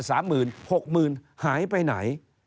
สามหมื่นหกหมื่นหายไปไหน